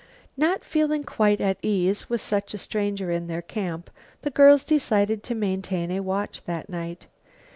Not feeling quite at ease with such a stranger in their camp, the girls decided to maintain a watch that night.